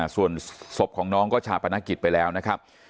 ส่วนศพของน้องก็ชาปนกิจไปแล้วนะครับ